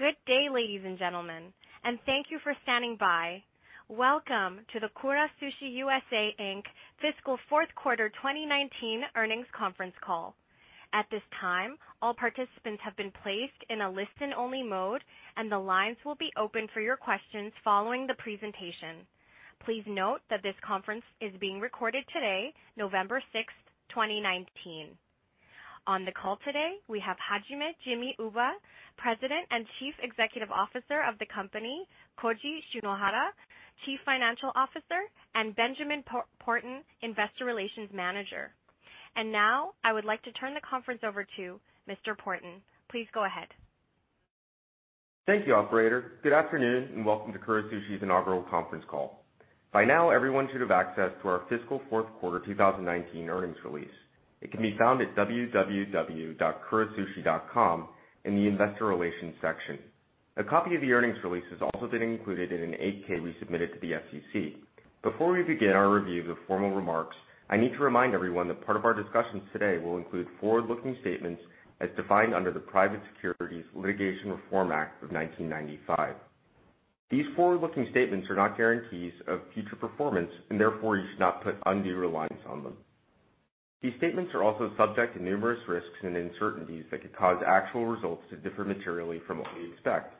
Good day, ladies and gentlemen, thank you for standing by. Welcome to the Kura Sushi USA, Inc. fiscal fourth quarter 2019 earnings conference call. At this time, all participants have been placed in a listen-only mode, and the lines will be open for your questions following the presentation. Please note that this conference is being recorded today, November 6th, 2019. On the call today, we have Hajime "Jimmy" Uba, President and Chief Executive Officer of the company, Koji Shinohara, Chief Financial Officer, and Benjamin Porten, Investor Relations Manager. Now, I would like to turn the conference over to Mr. Porten. Please go ahead. Thank you, operator. Good afternoon, and welcome to Kura Sushi's inaugural conference call. By now, everyone should have access to our fiscal fourth quarter 2019 earnings release. It can be found at www.kurasushi.com in the investor relations section. A copy of the earnings release has also been included in an 8-K we submitted to the SEC. Before we begin our review of the formal remarks, I need to remind everyone that part of our discussions today will include forward-looking statements as defined under the Private Securities Litigation Reform Act of 1995. These forward-looking statements are not guarantees of future performance, and therefore you should not put undue reliance on them. These statements are also subject to numerous risks and uncertainties that could cause actual results to differ materially from what we expect.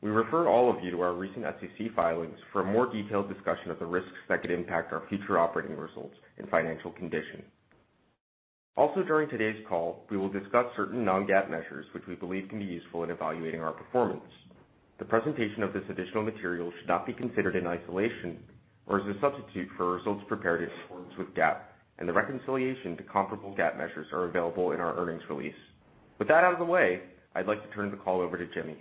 We refer all of you to our recent SEC filings for a more detailed discussion of the risks that could impact our future operating results and financial condition. Also during today's call, we will discuss certain non-GAAP measures which we believe can be useful in evaluating our performance. The presentation of this additional material should not be considered in isolation or as a substitute for results prepared in accordance with GAAP, and the reconciliation to comparable GAAP measures are available in our earnings release. With that out of the way, I'd like to turn the call over to Jimmy.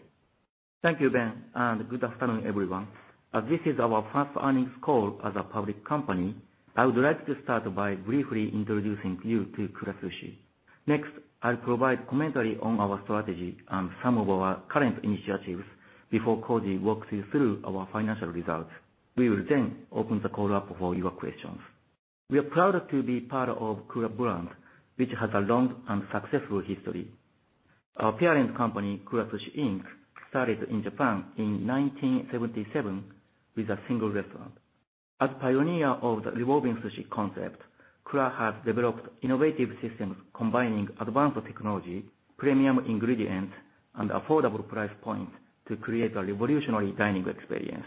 Thank you, Ben, and good afternoon, everyone. As this is our first earnings call as a public company, I would like to start by briefly introducing you to Kura Sushi. Next, I'll provide commentary on our strategy and some of our current initiatives before Koji walks you through our financial results. We will then open the call up for your questions. We are proud to be part of Kura brand, which has a long and successful history. Our parent company, Kura Sushi, Inc., started in Japan in 1977 with a single restaurant. As pioneer of the revolving sushi concept, Kura has developed innovative systems combining advanced technology, premium ingredients, and affordable price points to create a revolutionary dining experience.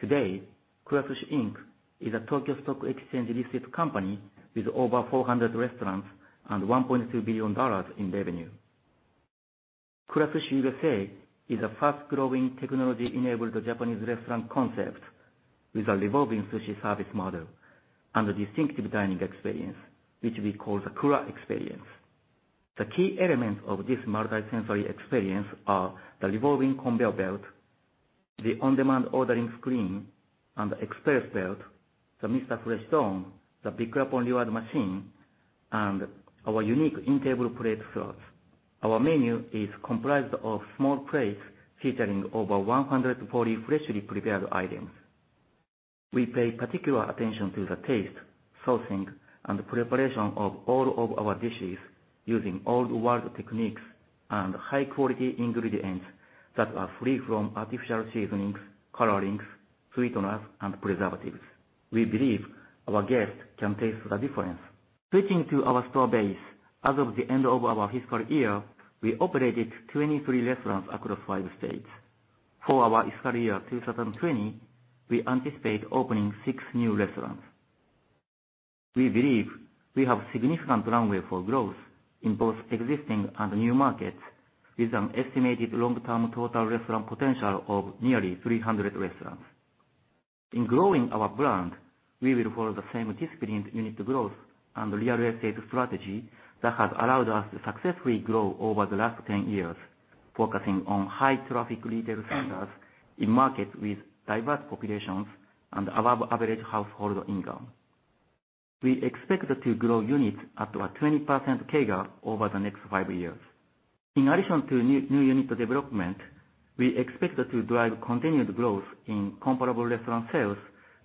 Today, Kura Sushi, Inc. is a Tokyo Stock Exchange-listed company with over 400 restaurants and $1.2 billion in revenue. Kura Sushi USA is a fast-growing, technology-enabled Japanese restaurant concept with a revolving sushi service model and a distinctive dining experience, which we call the Kura experience. The key elements of this multi-sensory experience are the revolving conveyor belt, the on-demand ordering screen and express belt, the Mr. Fresh Dome, the Bikkura Pon reward machine, and our unique in-table plate slots. Our menu is comprised of small plates featuring over 140 freshly prepared items. We pay particular attention to the taste, sourcing, and preparation of all of our dishes using old world techniques and high-quality ingredients that are free from artificial seasonings, colorings, sweeteners, and preservatives. We believe our guests can taste the difference. Switching to our store base, as of the end of our fiscal year, we operated 23 restaurants across five states. For our fiscal year 2020, we anticipate opening six new restaurants. We believe we have significant runway for growth in both existing and new markets, with an estimated long-term total restaurant potential of nearly 300 restaurants. In growing our brand, we will follow the same disciplined unit growth and real estate strategy that has allowed us to successfully grow over the last 10 years, focusing on high-traffic retail centers in markets with diverse populations and above-average household income. We expect to grow units at a 20% CAGR over the next five years. In addition to new unit development, we expect to drive continued growth in comparable restaurant sales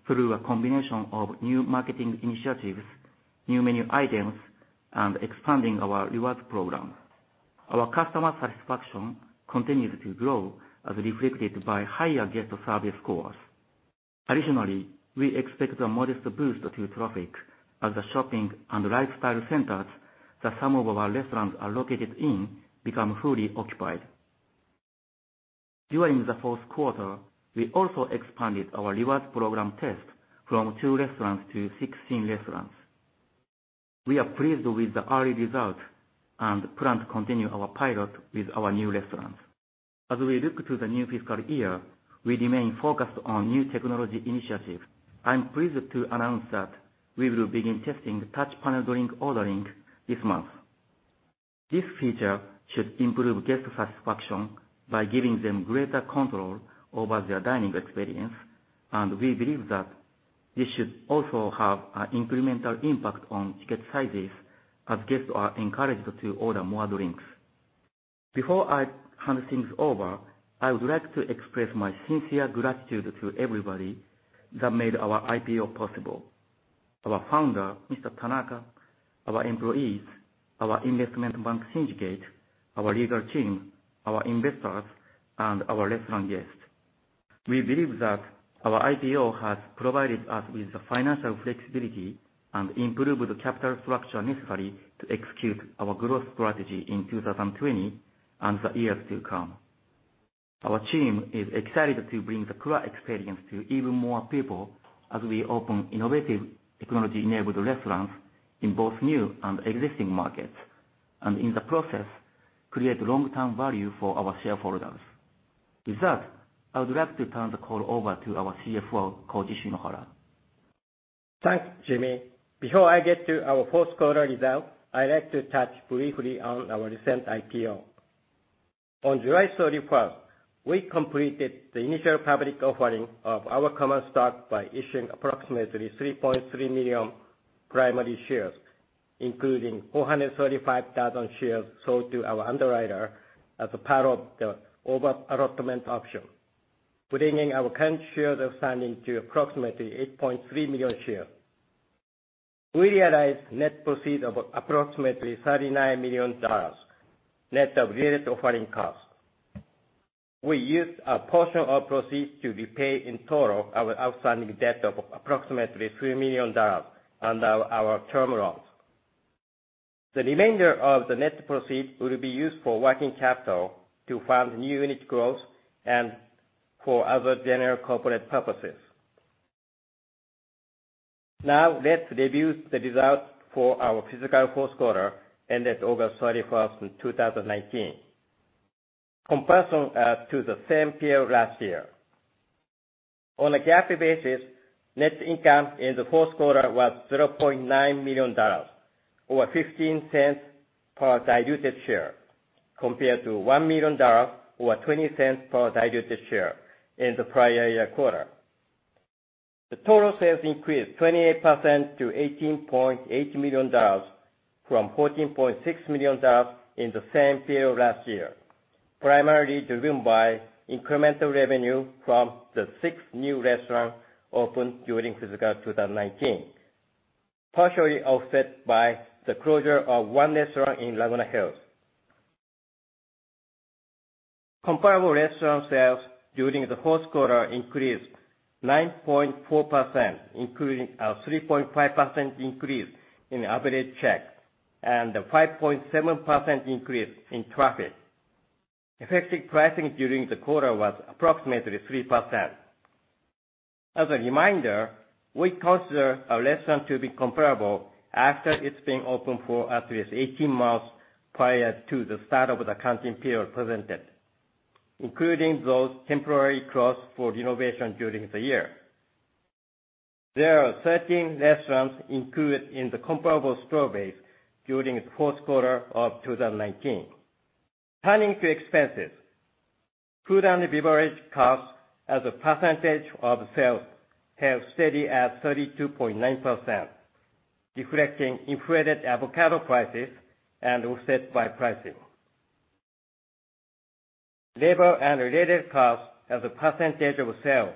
through a combination of new marketing initiatives, new menu items, and expanding our rewards program. Our customer satisfaction continues to grow as reflected by higher guest service scores. Additionally, we expect a modest boost to traffic as the shopping and lifestyle centers that some of our restaurants are located in become fully occupied. During the fourth quarter, we also expanded our rewards program test from two restaurants to 16 restaurants. We are pleased with the early results and plan to continue our pilot with our new restaurants. As we look to the new fiscal year, we remain focused on new technology initiatives. I'm pleased to announce that we will begin testing touch panel drink ordering this month. This feature should improve guest satisfaction by giving them greater control over their dining experience, and we believe that this should also have an incremental impact on ticket sizes as guests are encouraged to order more drinks. Before I hand things over, I would like to express my sincere gratitude to everybody that made our IPO possible. Our founder, Mr. Tanaka, our employees, our investment bank syndicate, our legal team, our investors and our restaurant guests. We believe that our IPO has provided us with the financial flexibility and improved the capital structure necessary to execute our growth strategy in 2020 and the years to come. Our team is excited to bring the Kura experience to even more people as we open innovative technology-enabled restaurants in both new and existing markets, and in the process, create long-term value for our shareholders. With that, I would like to turn the call over to our CFO, Koji Shinohara. Thanks, Jimmy. Before I get to our fourth quarter results, I'd like to touch briefly on our recent IPO. On July 31st, we completed the initial public offering of our common stock by issuing approximately 3.3 million primary shares, including 435,000 shares sold to our underwriter as a part of the over-allotment option, bringing our current shares outstanding to approximately 8.3 million shares. We realized net proceeds of approximately $39 million, net of related offering costs. We used a portion of proceeds to repay, in total, our outstanding debt of approximately $3 million under our term loans. The remainder of the net proceeds will be used for working capital to fund new unit growth and for other general corporate purposes. Let's review the results for our fiscal fourth quarter, ended August 31st, 2019, comparison to the same period last year. On a GAAP basis, net income in the fourth quarter was $0.9 million, or $0.15 per diluted share, compared to $1 million, or $0.20 per diluted share in the prior year quarter. Total sales increased 28% to $18.8 million from $14.6 million in the same period last year, primarily driven by incremental revenue from the six new restaurants opened during fiscal 2019, partially offset by the closure of one restaurant in Laguna Hills. Comparable restaurant sales during the fourth quarter increased 9.4%, including a 3.5% increase in average check and a 5.7% increase in traffic. Effective pricing during the quarter was approximately 3%. As a reminder, we consider a restaurant to be comparable after it's been open for at least 18 months prior to the start of the accounting period presented, including those temporarily closed for renovation during the year. There are 13 restaurants included in the comparable store base during the fourth quarter of 2019. Turning to expenses. Food and beverage costs as a percentage of sales held steady at 32.9%, reflecting inflated avocado prices and offset by pricing. Labor and related costs as a percentage of sales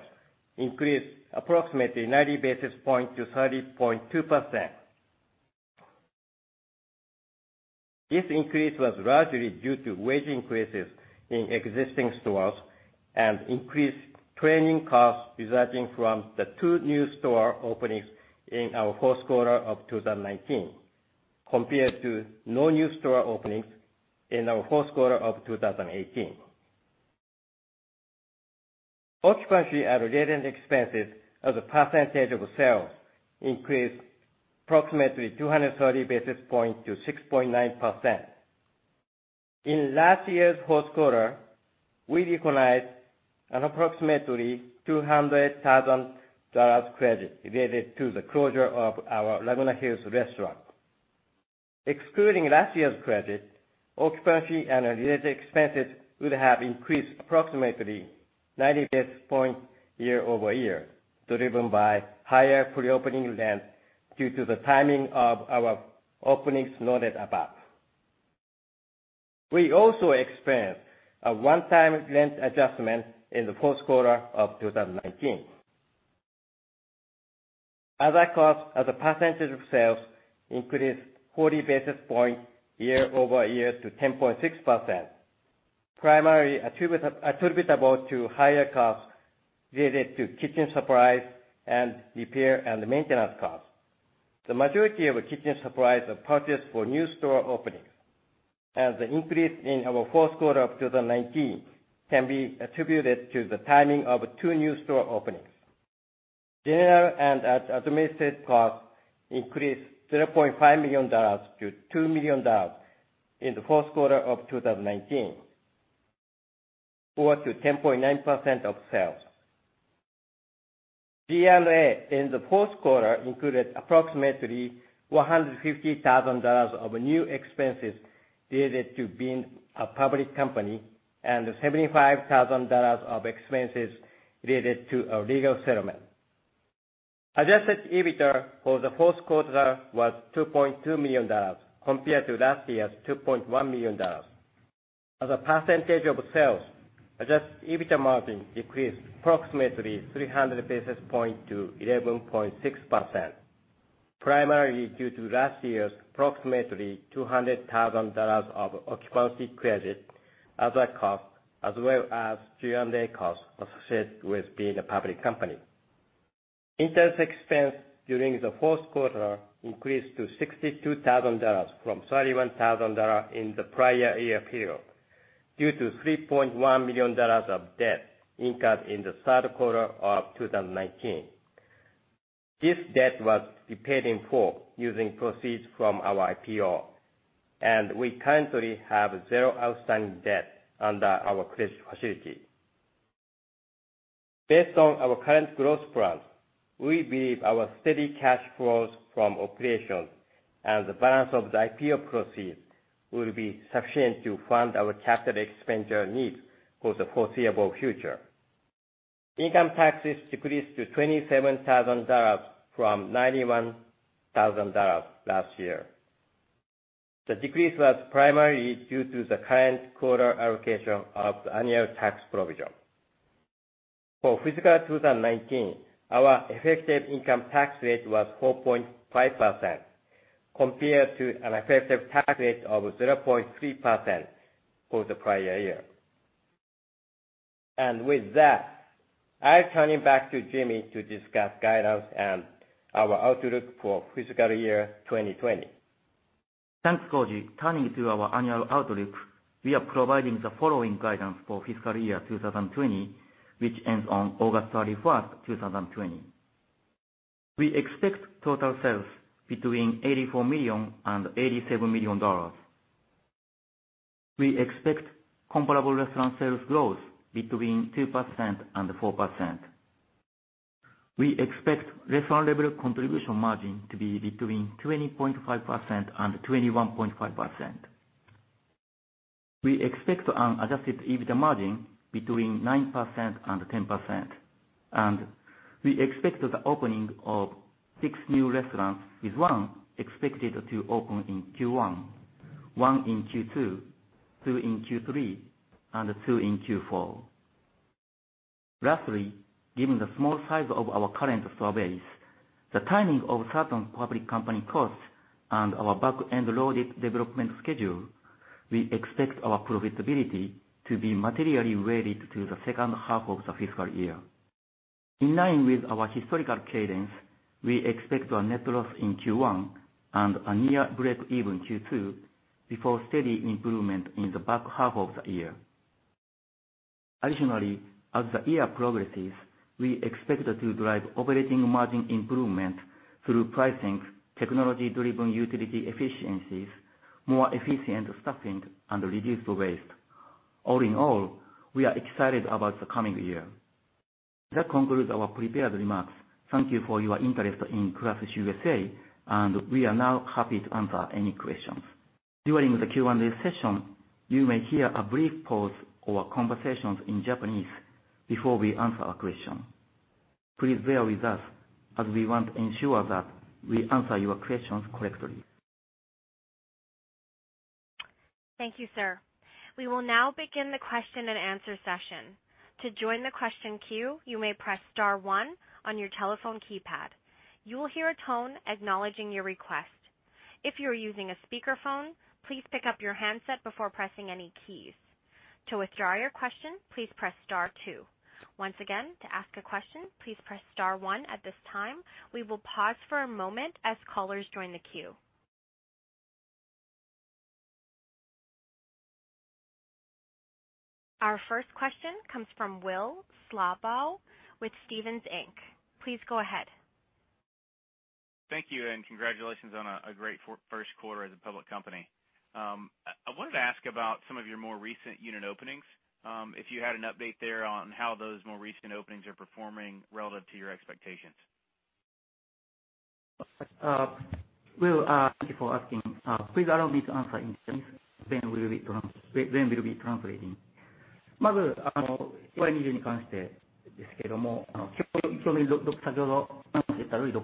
increased approximately 90 basis points to 30.2%. This increase was largely due to wage increases in existing stores and increased training costs resulting from the two new store openings in our fourth quarter of 2019, compared to no new store openings in our fourth quarter of 2018. Occupancy and related expenses as a percentage of sales increased approximately 230 basis points to 6.9%. In last year's fourth quarter, we recognized an approximately $200,000 credit related to the closure of our Laguna Hills restaurant. Excluding last year's credit, occupancy and related expenses would have increased approximately 90 basis points year-over-year, driven by higher pre-opening rent due to the timing of our openings noted above. We also experienced a one-time rent adjustment in the fourth quarter of 2019. Other costs as a percentage of sales increased 40 basis points year-over-year to 10.6%, primarily attributable to higher costs related to kitchen supplies and repair and maintenance costs. The majority of kitchen supplies are purchased for new store openings, and the increase in our fourth quarter of 2019 can be attributed to the timing of two new store openings. General and Administrative costs increased $0.5 million to $2 million in the fourth quarter of 2019, or to 10.9% of sales. G&A in the fourth quarter included approximately $150,000 of new expenses related to being a public company and $75,000 of expenses related to a legal settlement. Adjusted EBITDA for the fourth quarter was $2.2 million, compared to last year's $2.1 million. As a percentage of sales, adjusted EBITDA margin decreased approximately 300 basis point to 11.6%, primarily due to last year's approximately $200,000 of occupancy credit as a cost, as well as G&A costs associated with being a public company. Interest expense during the fourth quarter increased to $62,000 from $31,000 in the prior year period, due to $3.1 million of debt incurred in the third quarter of 2019. This debt was repaid in full using proceeds from our IPO, and we currently have zero outstanding debt under our credit facility. Based on our current growth plan, we believe our steady cash flows from operations and the balance of the IPO proceeds will be sufficient to fund our capital expenditure needs for the foreseeable future. Income taxes decreased to $27,000 from $91,000 last year. The decrease was primarily due to the current quarter allocation of the annual tax provision. For fiscal 2019, our effective income tax rate was 4.5%, compared to an effective tax rate of 0.3% for the prior year. With that, I turn it back to Jimmy to discuss guidance and our outlook for fiscal year 2020. Thanks, Koji. Turning to our annual outlook, we are providing the following guidance for fiscal year 2020, which ends on August 31st, 2020. We expect total sales between $84 million and $87 million. We expect comparable restaurant sales growth between 2% and 4%. We expect restaurant-level contribution margin to be between 20.5% and 21.5%. We expect an adjusted EBITDA margin between 9% and 10%, we expect the opening of six new restaurants, with one expected to open in Q1, one in Q2, two in Q3, and two in Q4. Lastly, given the small size of our current store base, the timing of certain public company costs, and our back-end loaded development schedule, we expect our profitability to be materially weighted to the second half of the fiscal year. In line with our historical cadence, we expect a net loss in Q1 and a near breakeven Q2 before steady improvement in the back half of the year. Additionally, as the year progresses, we expect to drive operating margin improvement through pricing, technology-driven utility efficiencies, more efficient staffing, and reduced waste. All in all, we are excited about the coming year. That concludes our prepared remarks. Thank you for your interest in Kura Sushi USA, and we are now happy to answer any questions. During the Q&A session, you may hear a brief pause or conversations in Japanese before we answer a question. Please bear with us, as we want to ensure that we answer your questions correctly. Thank you, sir. We will now begin the question and answer session. To join the question queue, you may press *1 on your telephone keypad. You will hear a tone acknowledging your request. If you are using a speakerphone, please pick up your handset before pressing any keys. To withdraw your question, please press *2. Once again, to ask a question, please press *1 at this time. We will pause for a moment as callers join the queue. Our first question comes from Will Slabaugh with Stephens Inc. Please go ahead. Thank you, and congratulations on a great first quarter as a public company. I wanted to ask about some of your more recent unit openings, if you had an update there on how those more recent openings are performing relative to your expectations. Will, thank you for asking. Please allow me to answer in Japanese, then we'll be translating. Hi, Will, this is Ben. We'd like to commenting on specific store performances at this point. Just like any class of restaurants, we've seen some restaurants exceed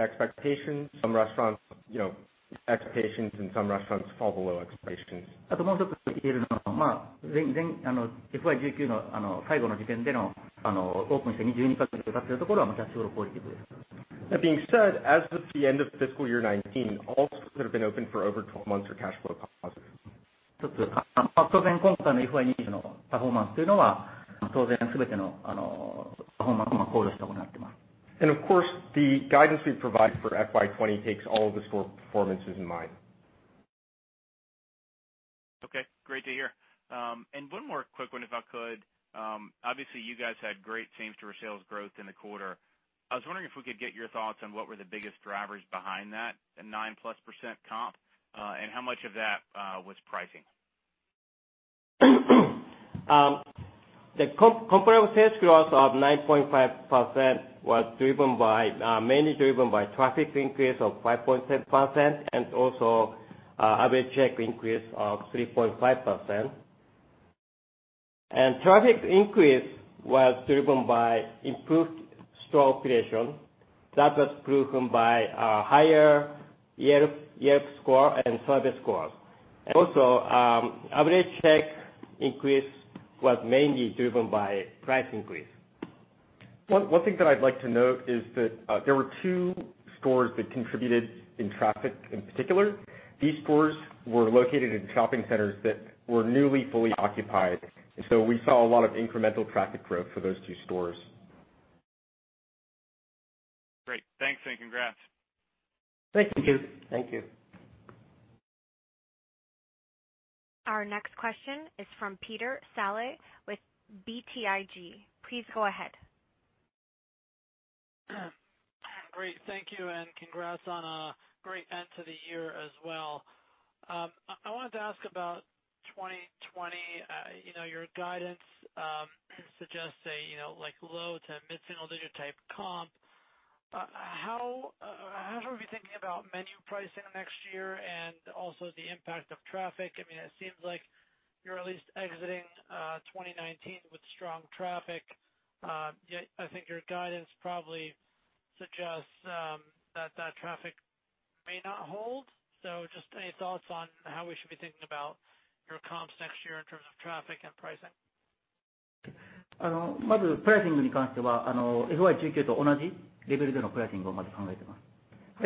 expectations, some restaurants, you know, expectations, and some restaurants fall below expectations. That being said, as of the end of fiscal year 2019, all stores that have been open for over 12 months are cash flow positive. Of course, the guidance we provide for FY 2020 takes all of the store performances in mind. Okay, great to hear. One more quick one if I could. Obviously, you guys had great same-store sales growth in the quarter. I was wondering if we could get your thoughts on what were the biggest drivers behind that, the nine-plus % comp, and how much of that was pricing. The comparable sales growth of 9.5% was mainly driven by traffic increase of 5.6% and also average check increase of 3.5%. Traffic increase was driven by improved store operation. That was proven by higher Yelp score and survey scores. Average check increase was mainly driven by price increase. One thing that I'd like to note is that there were two stores that contributed in traffic in particular. These stores were located in shopping centers that were newly fully occupied, and so we saw a lot of incremental traffic growth for those two stores. Great. Thanks, and congrats. Thank you. Thank you. Our next question is from Peter Saleh with BTIG. Please go ahead. Great, thank you. Congrats on a great end to the year as well. I wanted to ask about 2020. Your guidance suggests a low to mid-single-digit type comp. How should we be thinking about menu pricing next year and also the impact of traffic? It seems like you're at least exiting 2019 with strong traffic. I think your guidance probably suggests that traffic may not hold. Just any thoughts on how we should be thinking about your comps next year in terms of traffic and pricing? Hi,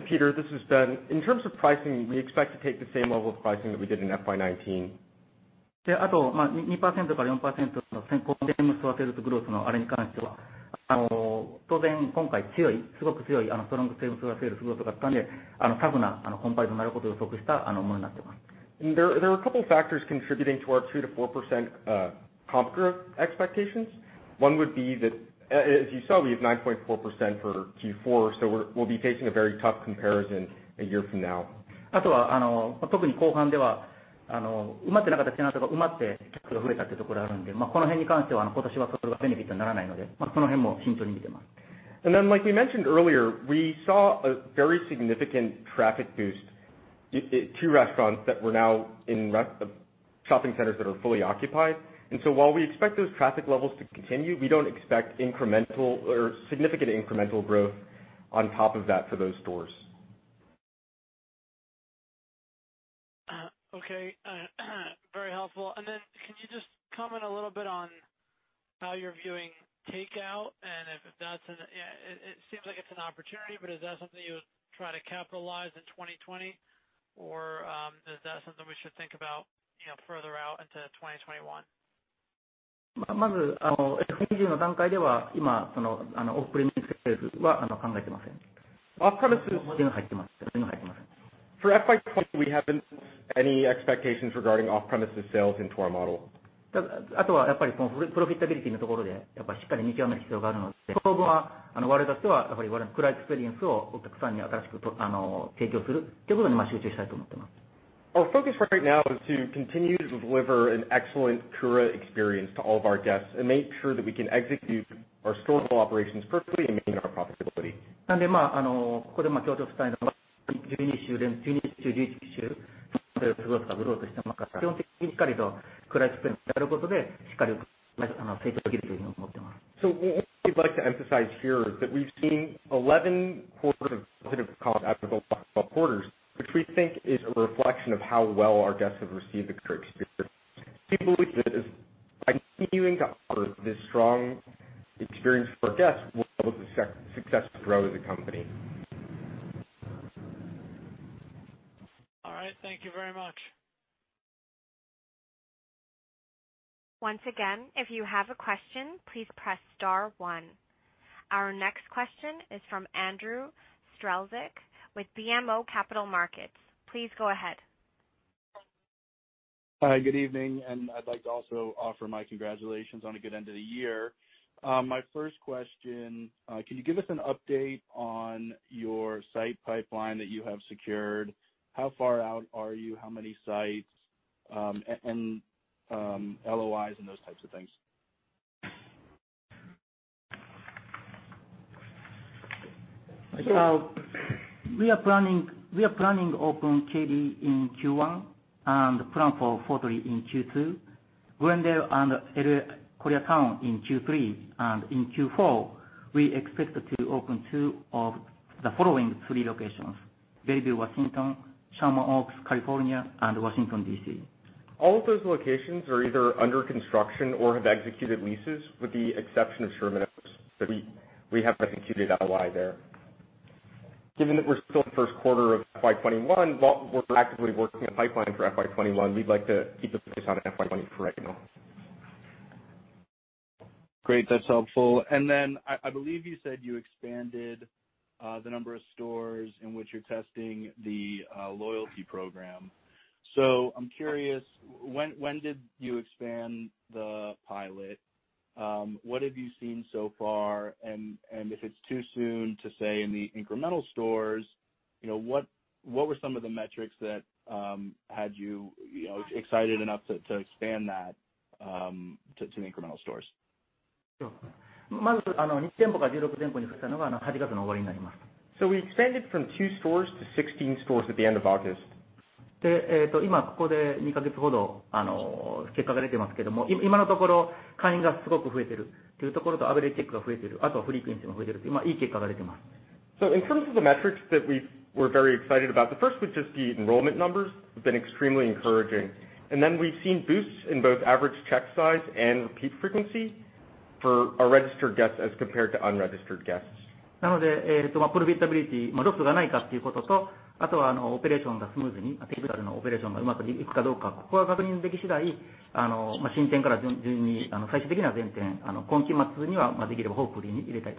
Peter, this is Ben. In terms of pricing, we expect to take the same level of pricing that we did in FY 2019. There are a couple factors contributing to our 2%-4% comp growth expectations. One would be that, as you saw, we have 9.4% for Q4, so we'll be facing a very tough comparison a year from now. Then, like we mentioned earlier, we saw a very significant traffic boost at two restaurants that were now in shopping centers that are fully occupied. So while we expect those traffic levels to continue, we don't expect incremental or significant incremental growth on top of that for those stores. Okay. Very helpful. Can you just comment a little bit on how you're viewing takeout and It seems like it's an opportunity, but is that something you try to capitalize in 2020? Is that something we should think about further out into 2021? For FY 2020, we haven't any expectations regarding off-premises sales into our model. Our focus right now is to continue to deliver an excellent Kura Experience to all of our guests and make sure that we can execute our store operations perfectly and maintain our profitability. What we'd like to emphasize here is that we've seen 11 quarters of positive comp out of the last 12 quarters, which we think is a reflection of how well our guests have received the Kura Experience. We believe that by continuing to offer this strong experience for our guests, we'll be able to successfully grow the company. All right. Thank you very much. Once again, if you have a question, please press *1. Our next question is from Andrew Strelzik with BMO Capital Markets. Please go ahead. Hi. Good evening. I'd like to also offer my congratulations on a good end to the year. My first question, can you give us an update on your site pipeline that you have secured? How far out are you, how many sites, LOIs and those types of things? We are planning open Katy in Q1 and Plano in Q2, Glendale and Koreatown in Q3. In Q4, we expect to open two of the following three locations: Bellevue, Washington, Sherman Oaks, California, and Washington, D.C. All of those locations are either under construction or have executed leases, with the exception of Sherman Oaks, that we have executed LOI there. Given that we're still in the first quarter of FY 2020, while we're actively working on pipeline for FY 2021, we'd like to keep the focus on FY 2020 for right now. Great. That's helpful. I believe you said you expanded the number of stores in which you're testing the loyalty program. I'm curious, when did you expand the pilot? What have you seen so far? If it's too soon to say in the incremental stores, what were some of the metrics that had you excited enough to expand that to the incremental stores? We expanded from two stores to 16 stores at the end of August. In terms of the metrics that we were very excited about, the first was just the enrollment numbers, have been extremely encouraging. Then we've seen boosts in both average check size and repeat frequency for our registered guests as compared to unregistered guests.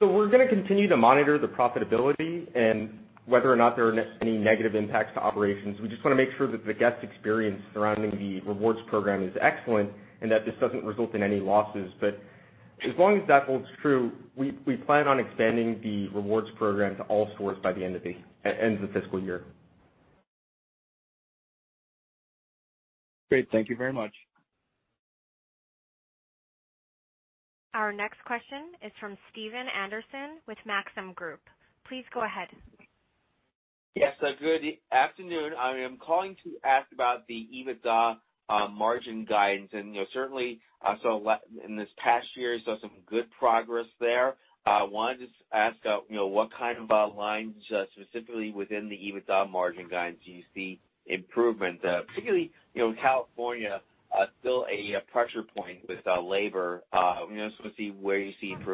We're going to continue to monitor the profitability and whether or not there are any negative impacts to operations. We just want to make sure that the guest experience surrounding the rewards program is excellent, and that this doesn't result in any losses. As long as that holds true, we plan on expanding the rewards program to all stores by the end of the fiscal year. Great. Thank you very much. Our next question is from Stephen Anderson with Maxim Group. Please go ahead. Yes, good afternoon. I am calling to ask about the EBITDA margin guidance. Certainly in this past year, saw some good progress there. Wanted to ask, what kind of lines specifically within the EBITDA margin guidance do you see improvement? Particularly, California, still a pressure point with labor. I just want to see where you see improvement.